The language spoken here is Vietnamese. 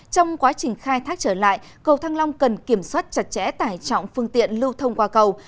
trong quá trình khai thác trở lại cầu thăng long cần kiểm soát chặt chẽ tải trọng phương tiện lưu thông qua cầu